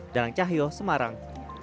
dalam cahyo semarang